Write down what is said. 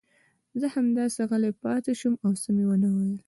زه همداسې غلی پاتې شوم او څه مې ونه ویل.